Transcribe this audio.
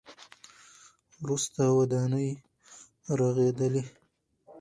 وروسته ودانۍ رغېدلې.